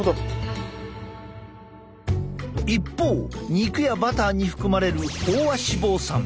一方肉やバターに含まれる飽和脂肪酸。